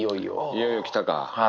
いよいよきたか。